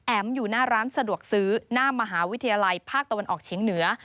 อยู่หน้าร้านสะดวกซื้อหน้ามหาวิทยาลัยภาคตะวันออกเฉียงเหนือ